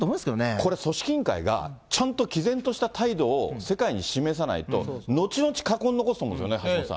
これ、組織委員会がちゃんときぜんとした態度を世界に示さないと、後々禍根を残すと思うんですよね、橋下さん。